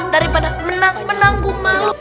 daripada menangguh malu